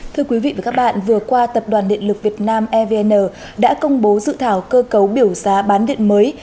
thưa quý vị và các bạn vừa qua tập đoàn điện lực việt nam evn đã công bố dự thảo cơ cấu biểu giá bán điện mới